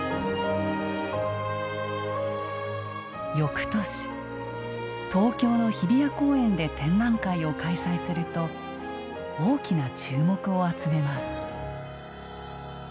よくとし東京の日比谷公園で展覧会を開催すると大きな注目を集めます。